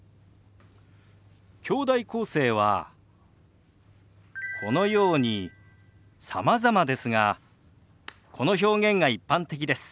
きょうだい構成はこのようにさまざまですがこの表現が一般的です。